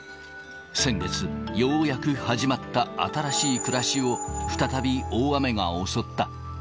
先月、ようやく始まった新しい暮らしを再び大雨が襲った。